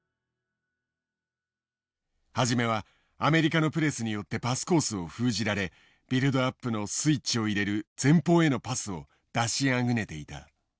初めはアメリカのプレスによってパスコースを封じられビルドアップのスイッチを入れる前方へのパスを出しあぐねていた。